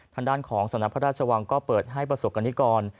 ทางด้านของสำนักพระราชวังก็เปิดให้ประสบกรณิกร